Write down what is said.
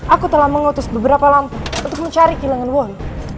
aku telah mengutus beberapa lampu untuk mencari kilangan wolu